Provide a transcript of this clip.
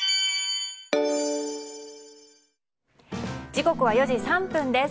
時刻は４時３分です。